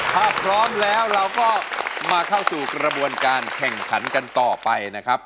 ถ้าพร้อมแล้วเราก็มาเข้าสู่กระบวนการแข่งขันกันต่อไปนะครับ